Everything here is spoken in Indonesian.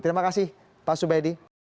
terima kasih pak subedi